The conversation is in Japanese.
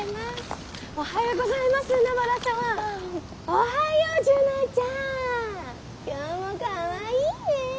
おはよう樹奈ちゃん。今日もかわいいね。